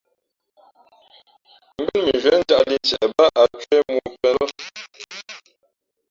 Mbén mʉnzhwē njāʼlī ntie bāā ǎ ncwēh mōō pēn lά.